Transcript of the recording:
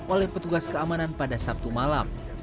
oleh petugas keamanan pada sabtu malam